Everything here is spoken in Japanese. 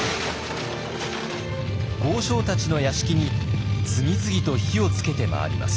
豪商たちの屋敷に次々と火をつけて回ります。